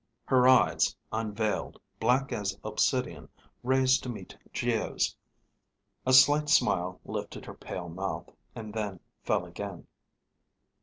Her eyes, unveiled, black as obsidian, raised to meet Geo's. A slight smile lifted her pale mouth and then fell again.